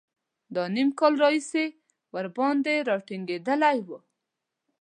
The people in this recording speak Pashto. له نیم کال راهیسې ورباندې را ټینګېدلی و.